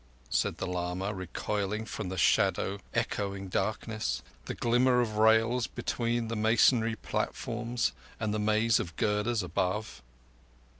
said the lama, recoiling from the hollow echoing darkness, the glimmer of rails between the masonry platforms, and the maze of girders above.